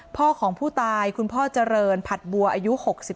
พ่อของผู้ตายคุณพ่อเจริญผัดบัวอายุ๖๒